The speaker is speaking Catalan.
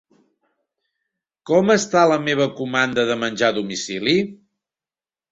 Com està la meva comanda de menjar a domicili?